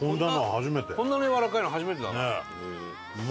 こんなにやわらかいの初めてだね。